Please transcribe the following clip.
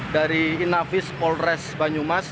dari inavis polres banyumas